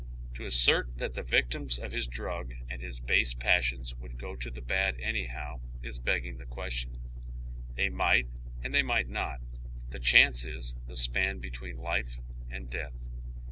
To assert that the victims of his drug and his base passions would go to the bad anyhow, ie beting tlie question, Tiiej might and they miglit not. The chance is tbe span between life and death.